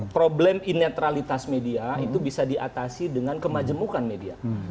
problem inetralitas media itu bisa diatasi dengan kemajemukan media